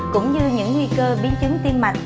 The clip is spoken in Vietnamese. cũng như những nguy cơ biến chứng tiên mạch